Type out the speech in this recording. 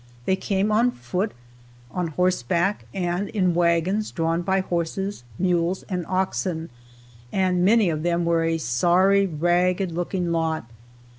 They came on foot, on horse back and in wagons drawn by horses, mules and oxen, and many of them were a sorry, ragged looking lot.